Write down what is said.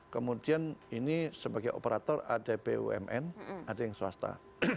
kemudian ini sebagai operator ada bumn ada yang swasta